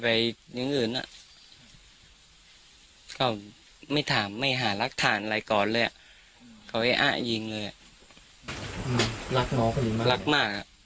อะไรก่อนเลยอ่ะเขาให้อ้ะยิงเลยอ่ะรักน้องคือมากรักมากอ่ะ